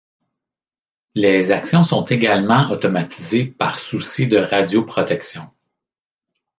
Les actions sont également automatisées par souci de radioprotection.